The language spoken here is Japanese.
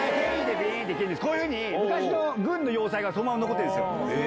こういうふうに昔の軍の要塞がそのまま残ってるんですよ。